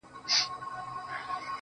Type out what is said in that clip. زه وايم راسه شعر به وليكو.